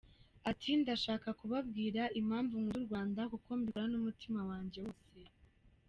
Ati “Ndashaka kubabwira impamvu nkunda u Rwanda kuko mbikora n’umutima wanjye wose.